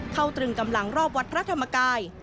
ตรึงกำลังรอบวัดพระธรรมกาย